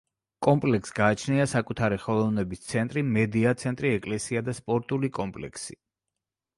კომპლექსს გააჩნია საკუთარი ხელოვნების ცენტრი, მედია ცენტრი, ეკლესია და სპორტული კომპლექსი.